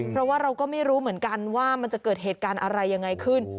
เพราะว่าเราก็ไม่รู้เหมือนกันว่ามันจะเกิดเหตุการณ์อะไรยังไงขึ้น